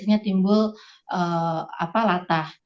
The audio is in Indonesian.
biasanya timbul latah